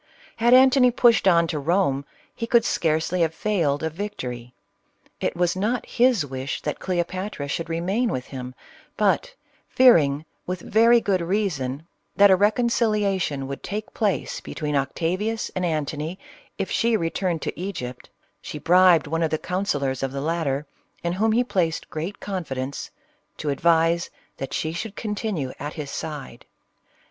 Had Antony pushed on to Rome, he could scarcely have failed of victory. It was not his wish that Cleopatra should remain with him, but fearing, with very good reason, that a recon ciliation would take place between Octavius and An ' tony if she returned to Egypt, she bribed one of the counsellors of the latter, in whom he placed great con fidence, to advise that she should continue at his side.